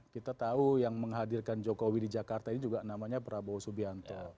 kita tahu yang menghadirkan jokowi di jakarta ini juga namanya prabowo subianto